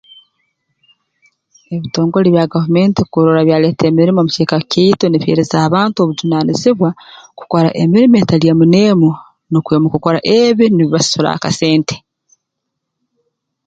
Ebitongole bya gavumenti kurora byaleeta emirimo mu kiikaro kyaitu nibiheereza abantu obujuunanizibwa kukora emirimo etali emu n'emu n'okwe mu kurora ebi nibibasasura akasente